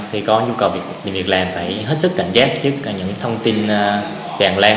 khi có nhu cầu tìm việc làm phải hết sức cảnh giác trước những thông tin tràn lan